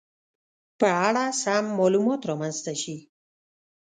په اړه سم معلومات رامنځته شي